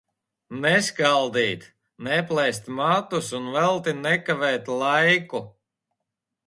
Neskaldīt, neplēst matus un velti nekavēt laiku.